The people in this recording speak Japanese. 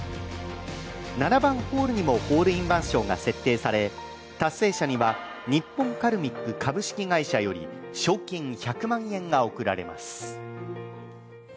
７番ホールにもホールインワン賞が設定され達成者には日本カルミック株式会社より賞金１００万円が贈られます。